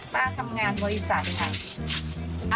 ทำงานบริษัทค่ะ